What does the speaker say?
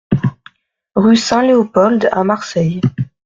Rue Saint-Léopold à Marseille